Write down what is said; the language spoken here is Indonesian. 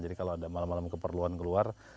jadi kalau ada malam malam keperluan keluar